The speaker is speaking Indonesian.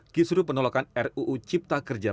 kisru penolakan ruu cipta kerja